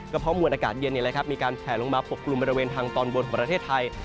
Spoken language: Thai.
เพราะมวลอากาศเย็นมีการแผลลงมาปกกลุ่มบริเวณทางตอนบนของประเทศไทย